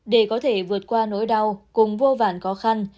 để có thể vượt qua nỗi đau cùng vô vản khó khăn